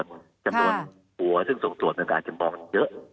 จำนวนอันตรีทั่วซึ่งส่งตรวจมันกลายเป็นบอกเยอะ